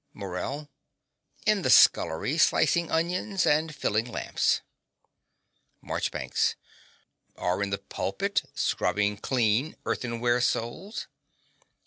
MORELL. In the scullery, slicing onions and filling lamps. MARCHBANKS. Or in the pulpit, scrubbing cheap earthenware souls?